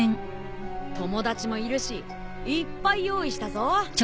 友達もいるしいっぱい用意したぞ。